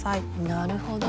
なるほど。